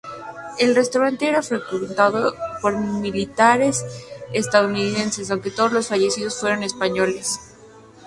El restaurante era frecuentado por militares estadounidenses aunque todos los fallecidos fueron españoles.